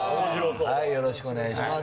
よろしくお願いします。